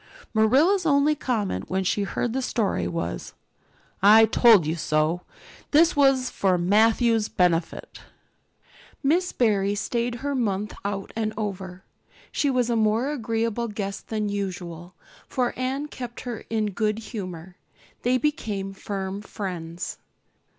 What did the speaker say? Marilla's only comment when she heard the story was, "I told you so." This was for Matthew's benefit. Miss Barry stayed her month out and over. She was a more agreeable guest than usual, for Anne kept her in good humor. They became firm friends.